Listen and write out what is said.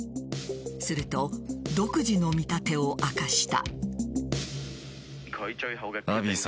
すると、独自の見立てを明かした。